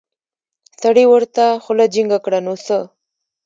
سړي ورته خوله جينګه کړه نو څه.